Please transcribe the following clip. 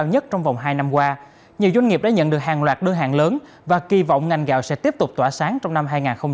nhiều doanh nghiệp đã nhận được hàng loạt đơn hàng lớn và kỳ vọng ngành gạo sẽ tiếp tục tỏa sáng trong năm hai nghìn hai mươi ba